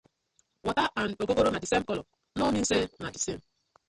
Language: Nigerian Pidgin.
Water and ogogoro na the same colour, no mean say na the same: